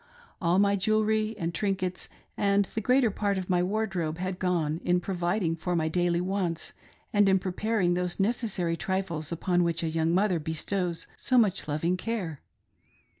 All my jewelry and trinkets and the greater part of my wardrobe had gone in providing for my daily wants and in preparing those necessary trifles upon which a young mother bestows so much loving care.